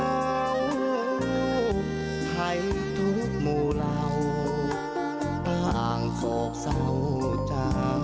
แล้วให้ทุกหมู่เหล่าคงอ่างโศกเกินทางจาบัน